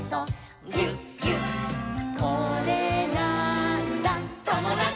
「これなーんだ『ともだち！』」